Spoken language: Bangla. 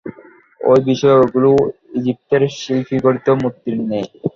এ বিষয়ে ঐগুলি ইজিপ্তের শিল্পিগঠিত মূর্তির ন্যায়।